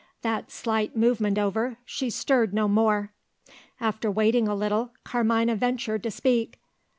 That slight movement over, she stirred no more. After waiting a little, Carmina ventured to speak.